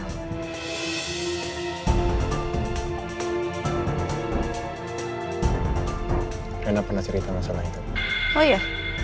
karena pernah cerita masalah itu oh ya